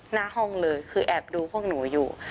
หน้าห้องเลยคือแอบดูพวกหนูอยู่